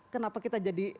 kenapa kita jadi